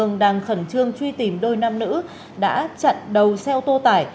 công an đang khẩn trương truy tìm đôi nam nữ đã chặn đầu xe ô tô tải